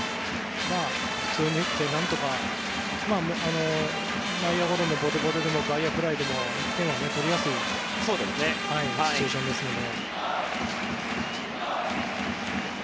普通に打って何とか内野ゴロのボテボテでも外野フライでも点は取りやすいシチュエーションですね。